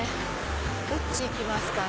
どっち行きますかね？